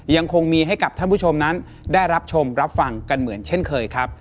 ยังคงมีให้กับท่านผู้ชมนั้นได้รับชมรับฟังกันเหมือนเช่นเคยครับ